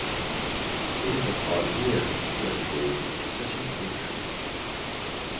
It is the fogged mirror we are peering into searching for the truth.